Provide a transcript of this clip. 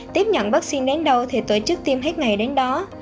tiếp nhận vaccine nén đâu thì tổ chức tiêm hết ngày đến đó